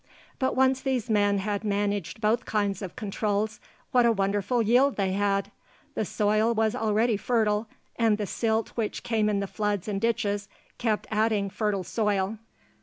But once these men had managed both kinds of controls, what a wonderful yield they had! The soil was already fertile, and the silt which came in the floods and ditches kept adding fertile soil.